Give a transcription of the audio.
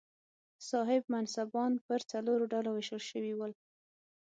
صاحب منصبان پر څلورو ډلو وېشل شوي ول.